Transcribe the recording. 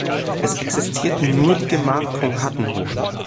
Es existiert nur die Gemarkung Hattenhofen.